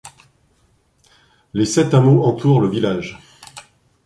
Les sept hameaux entourent le village.